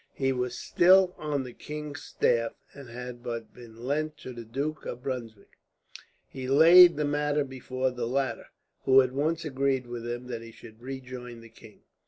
He was still on the king's staff, and had but been lent to the Duke of Brunswick. He laid the matter before the latter, who at once agreed with him that he should rejoin the king.